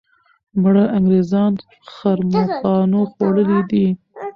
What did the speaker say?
مړه انګریزان ښرموښانو خوړلي دي.